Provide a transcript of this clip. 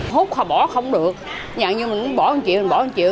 hốt hoặc bỏ không được nhưng mình bỏ một triệu bỏ một triệu